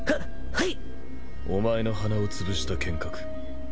はい。